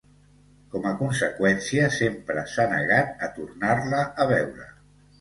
Com a conseqüència, sempre s'ha negat a tornar-la a veure.